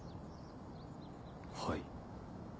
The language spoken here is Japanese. はい。